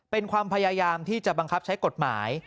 เป็นความพยายามที่จะบังคับใช้กฎหมาย